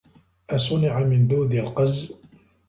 أصنع من دود القز